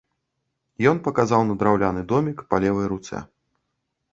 Ён паказаў на драўляны домік па левай руцэ.